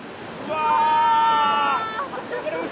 うわ！